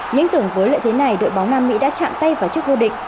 những tưởng với lợi thế này đội bóng nam mỹ đã chạm tay vào chiếc vô địch